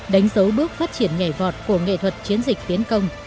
đánh dấu bước phát triển nhảy vọt của nghệ thuật chiến dịch tiến công